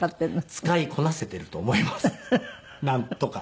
使いこなせてると思いますなんとか。